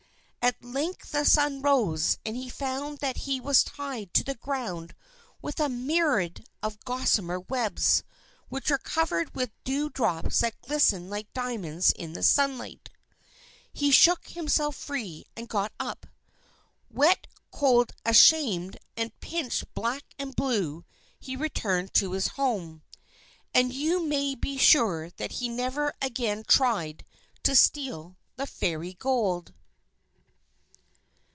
At length the sun rose and he found that he was tied to the ground with a myriad of gossamer webs, which were covered with dew drops that glistened like diamonds in the sunlight. He shook himself free, and got up. Wet, cold, ashamed, and pinched black and blue, he returned to his home. And you may be sure that he never again tried to steal the Fairy Gold.